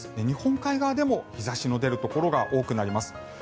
日本海側でも日差しの出るところが多くなります。